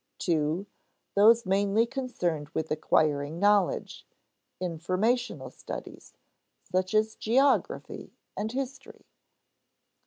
(2) Those mainly concerned with acquiring knowledge "informational" studies, such as geography and history.